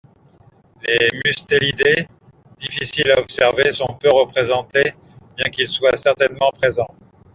Les mustélidés difficiles à observer sont peu représentés bien qu'ils soient certainement présents.